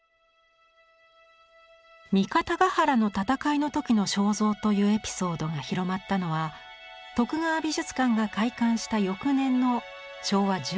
三方ヶ原の戦いの時の肖像というエピソードが広まったのは徳川美術館が開館した翌年の昭和１１年でした。